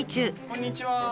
こんにちは。